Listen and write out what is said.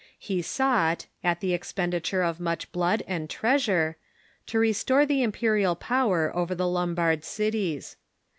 He sought, at the expenditure of much blood and treasure, to restore the imperial power over the Lombard cities.